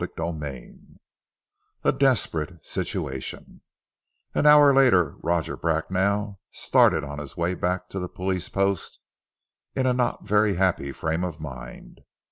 CHAPTER X A DESPERATE SITUATION AN HOUR LATER Roger Bracknell started on his way back to the police post, in a not very happy frame of mind.